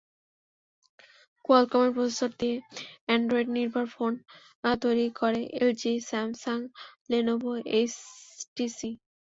কোয়ালকমের processor দিয়ে অ্যান্ড্রয়েডনির্ভর phone তৈরি করে এলজি, স্যামসাং, লেনোভো, এইচটিসি।